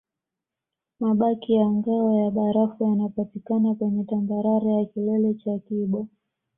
Mabaki ya ngao ya barafu yanapatikana kwenye tambarare ya kilele cha kibo